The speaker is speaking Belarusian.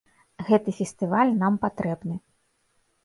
Гэты фестываль нам патрэбны.